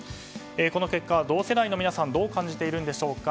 この結果を同世代の皆さんはどう感じているんでしょうか。